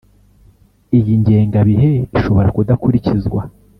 Iyi ngengabihe ishobora kudakurizwa